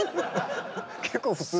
結構普通。